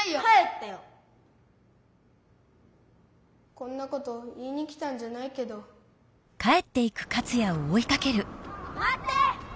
こんなこと言いに来たんじゃないけど。まって！